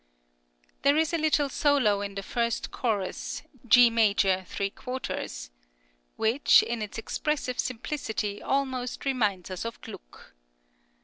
There is a little solo in the first chorus (G major, 3 4) which, in its expressive simplicity, almost reminds us of Gluck.